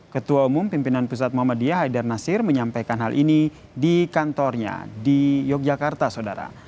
ketua umum pimpinan pusat muhammadiyah haidar nasir menyampaikan hal ini di kantornya di yogyakarta saudara